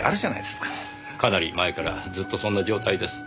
かなり前からずっとそんな状態です。